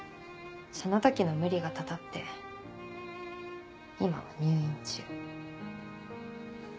その時の無理がたたって今は入院中。